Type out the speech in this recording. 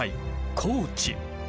高知。